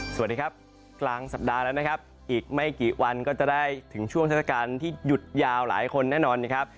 สวัสดีครับกลางสัปดาห์แล้วนะครับอีกไม่กี่วันก็จะได้ถึงช่วงเทศกาลที่หยุดยาวหลายคนแน่นอนนะครับ